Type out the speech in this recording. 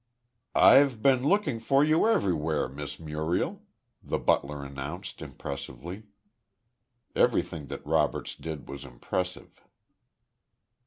"I've been looking for you everyw'ere, Miss Muriel," the butler announced, impressively. Everything that Roberts did was impressive.